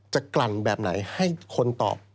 กลั่นแบบไหนให้คนตอบ